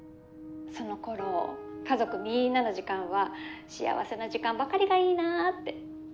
その頃家族みんなの時間は幸せな時間ばかりがいいなって。